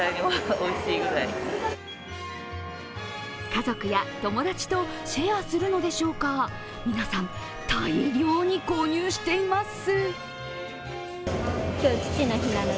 家族や友達とシェアするのでしょうか、皆さん、大量に購入しています。